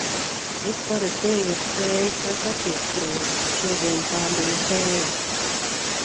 Es parasti eju ar tējas vai kafijas krūzi, šodien tā bija tēja.